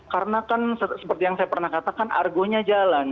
karena kan seperti yang saya pernah katakan argonya jalan